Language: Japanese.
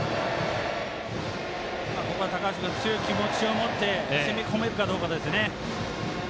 ここは高橋君強い気持ちを持って攻め込めるかどうかですね。